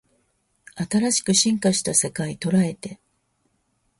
新しく進化した世界捉えて